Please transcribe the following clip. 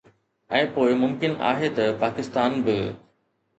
۽ پوءِ ممڪن آهي ته پاڪستان به